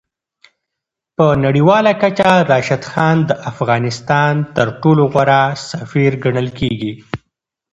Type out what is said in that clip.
په نړیواله کچه راشد خان د افغانستان تر ټولو غوره سفیر ګڼل کېږي.